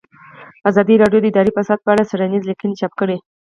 ازادي راډیو د اداري فساد په اړه څېړنیزې لیکنې چاپ کړي.